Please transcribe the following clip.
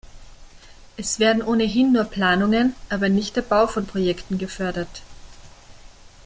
Es werden ohnehin nur Planungen, aber nicht der Bau von Projekten gefördert.